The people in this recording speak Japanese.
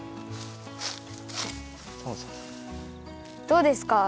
どうですか？